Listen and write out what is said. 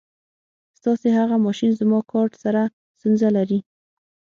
ستاسې هغه ماشین زما کارټ سره ستونزه لري.